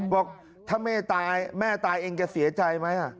บอกว่าถ้าไม่ได้แม่ตายอ้างจะเสียใจไหม